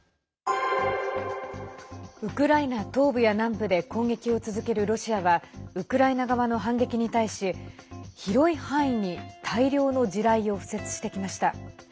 ウクライナ東部や南部で攻撃を続けるロシアはウクライナ側の反撃に対し、広い範囲に大量の地雷を敷設してきました。